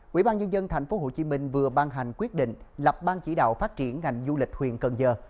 quỹ ban nhân dân tp hcm vừa ban hành quyết định lập ban chỉ đạo phát triển ngành du lịch huyện cần giờ